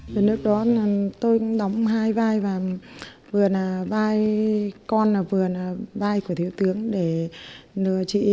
trên nước đó tôi đóng hai vai và vừa là vai con và vừa là vai của thiếu tướng để lừa chị